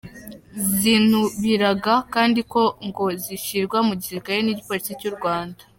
Zinubiraga kandi ko ngo zishyirwa mu gisirikare n’igipolisi cy’u Rwanda.